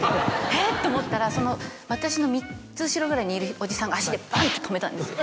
「え？」って思ったらその私の３つ後ろぐらいにいるおじさんが足でバンって止めたんですよ。